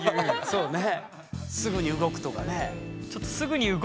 そうね。